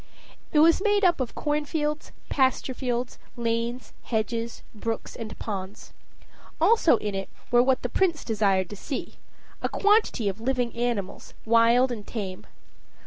It was made up of cornfields, pasturefields, lanes, hedges, brooks, and ponds. Also, in it were what the prince desired to see a quantity of living creatures, wild and tame.